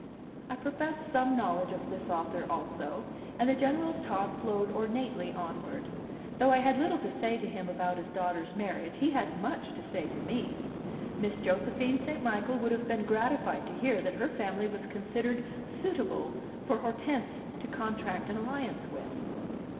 I professed some knowledge of this author also, and the General's talk flowed ornately onward. Though I had little to say to him about his daughter's marriage, he had much to say to me. Miss Josephine St. Michael would have been gratified to hear that her family was considered suitable for Hortense to contract an alliance with.